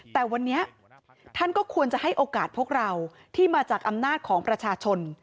แต่วันนี้ท่านก็ควรจะให้โอกาสพวกเราที่มาจากอำนาจของประชาชน